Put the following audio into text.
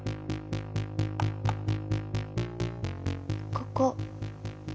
ここ。